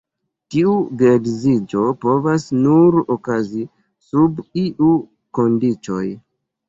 Tiu geedziĝo povas nur okazi sub iuj kondiĉoj.